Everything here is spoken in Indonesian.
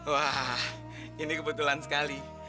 wah ini kebetulan sekali